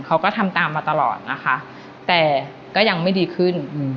เขาก็ทำตามมาตลอดนะคะแต่ก็ยังไม่ดีขึ้น